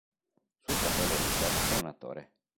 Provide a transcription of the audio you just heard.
Suo fratello Richard è un attore.